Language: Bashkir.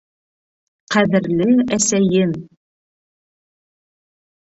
Ҡәҙерле әсәйем!